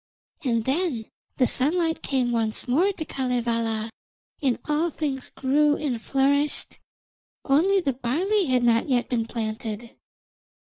And then the sunlight came once more to Kalevala, and all things grew and flourished, only the barley had not yet been planted.